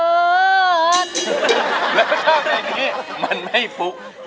แล้วถ้าเกิดอย่างนี้มันไม่ฟุก